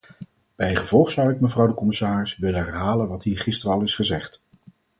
Bijgevolg zou ik, mevrouw de commissaris, willen herhalen wat hier gisteren al is gezegd.